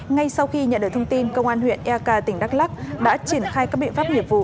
ngay sau khi nhận được thông tin công an huyện eak tỉnh đắk lắc đã triển khai các biện pháp nghiệp vụ